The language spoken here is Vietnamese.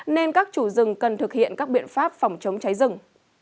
nên các chủ rừng cần thực hiện các biện pháp phòng chống cháy rừng